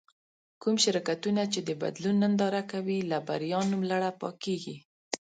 کوم شرکتونه چې د بدلون ننداره کوي له بريا نوملړه پاکېږي.